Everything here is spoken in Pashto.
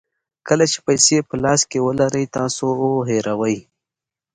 کله چې پیسې په لاس کې ولرئ تاسو هیروئ.